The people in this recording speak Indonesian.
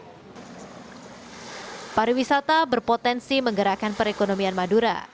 kawasan pariwisata yang mengedepankan kenyamanan dan keramatannya